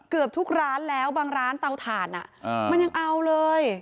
เกือบทุกร้านแล้วบางร้านเตาถ่านมันยังเอาเลย